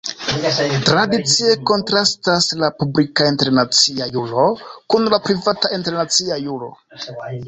Tradicie kontrastas la "publika internacia juro" kun la "privata internacia juro".